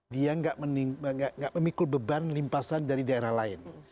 dia nggak memikul beban limpasan dari daerah lain